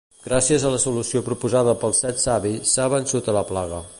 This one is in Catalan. Gràcies a la solució proposada pels Set Savis s'ha vençut a la plaga.